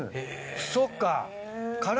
そっか。